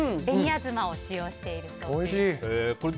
紅あずまを使用しているそうです。